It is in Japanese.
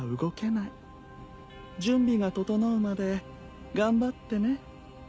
準備が整うまで頑張ってね。